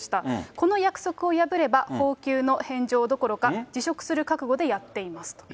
この約束を破れば、公給の返上どころか辞職する覚悟でやっていますと。